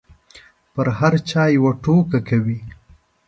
په هر چا یوه ټوکه کوي.